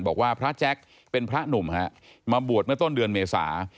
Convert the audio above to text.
บอกว่าพระแจ๊คเป็นพระหนุ่มฮะมาบวชเมื่อต้นเดือนเมษา